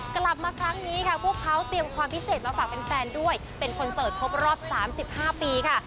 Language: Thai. กลับมาครั้งนี้ค่ะพวกเขาเตรียมความพิเศษมาฝากแฟนด้วยเป็นคอนเสิร์ตครบรอบ๓๕ปีค่ะ